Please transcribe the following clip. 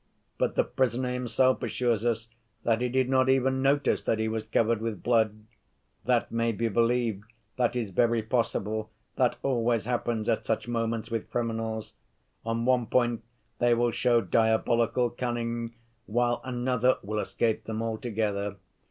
But the prisoner himself assures us that he did not even notice that he was covered with blood. That may be believed, that is very possible, that always happens at such moments with criminals. On one point they will show diabolical cunning, while another will escape them altogether.